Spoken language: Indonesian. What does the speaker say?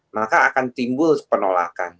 maka akan timbul penolakan